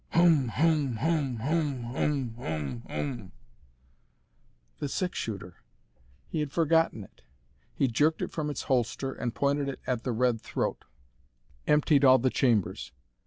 "HOOM! HOOM! HOOM! HOOM! HOOM! HOOM! HOOM!" The six shooter! He had forgotten it. He jerked it from its holster and pointed it at the red throat, emptied all the chambers.